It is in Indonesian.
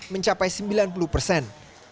mencapai sembilan puluh persen